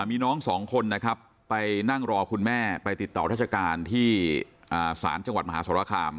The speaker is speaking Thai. มีน้องสองคนนะครับไปนั่งรอคุณแม่ไปติดต่อราชการที่ศาลจังหวัดมหาสรคาม